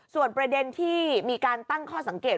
ส่วนประเด็นที่มีการตั้งข้อสังเกต